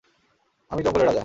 আমিই জঙ্গলের রাজা।